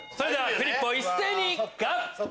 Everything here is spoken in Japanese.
フリップを一斉に合体！